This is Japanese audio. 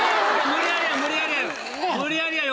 無理やりは。